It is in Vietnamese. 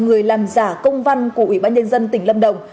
người làm giả công văn của ủy ban nhân dân tỉnh lâm đồng